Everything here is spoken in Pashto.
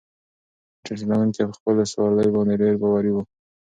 موټر چلونکی په خپلو سوارلۍ باندې ډېر باوري و.